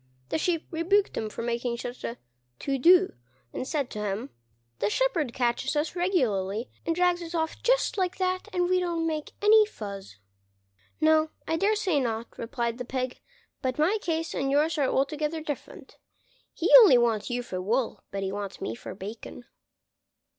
The Sheep rebuked him for making such a to do, and said to him, "The shepherd catches us regularly and drags us off just like that, and we don't make any fuss." "No, I dare say not," replied the Pig, "but my case and yours are altogether different: he only wants you for wool, but he wants me for bacon."